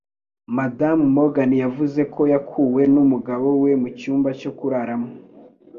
Madamu Morgan yavuze ko yakuwe n'umugabo we mu cyumba cyo kuraramo